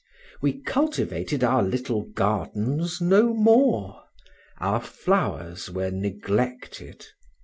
We cultivated our little gardens no more: our flowers were neglected.